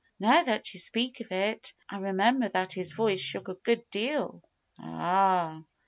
Now that you speak of it, I remember that his voice shook a good deal." "Ah!"